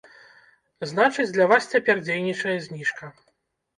Значыць, для вас цяпер дзейнічае зніжка.